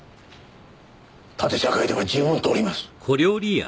縦社会では十分通ります。